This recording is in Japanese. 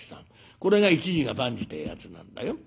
これが一事が万事ってえやつなんだよ。